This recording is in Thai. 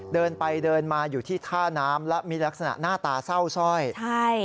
เดินไปเดินมาอยู่ที่ท่าน้ำและมีลักษณะหน้าตาเศร้าซ่อยใช่